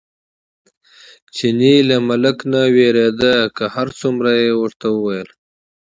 چیني له ملکه نه وېرېده، که هر څومره یې ورته وویل.